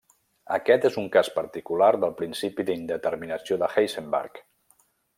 Aquest és un cas particular del principi d'indeterminació de Heisenberg.